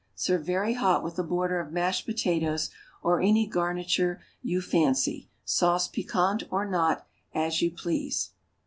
Serve very hot with a border of mashed potatoes, or any garniture you fancy. Sauce piquant, or not, as you please.